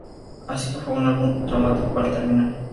Así que fue un buen álbum traumático para terminar.